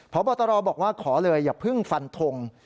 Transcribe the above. พบตรบอกว่าขอเลยอย่าเพิ่งฟันทง